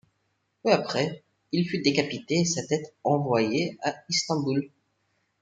Peu après, il fut décapité et sa tête envoyé à Istanbul.